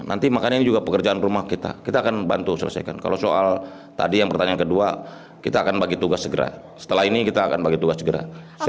nanti makanya ini juga pekerjaan rumah kita kita akan bantu selesaikan kalau soal tadi yang pertanyaan kedua kita akan bagi tugas segera setelah ini kita akan bagi tugas segera